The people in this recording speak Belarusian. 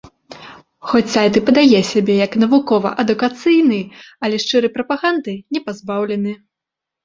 Хоць сайт і падае сябе як навукова-адукацыйны, але шчырай прапаганды не пазбаўлены.